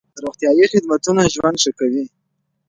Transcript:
روغتيايي خدمتونه ژوند ښه کوي.